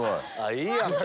いいやんか！